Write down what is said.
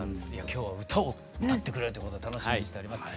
今日は歌を歌ってくれるということで楽しみにしております。